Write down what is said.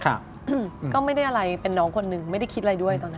อืมก็ไม่ได้อะไรเป็นน้องคนหนึ่งไม่ได้คิดอะไรด้วยตอนนั้น